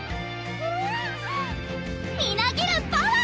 みなぎるパワー！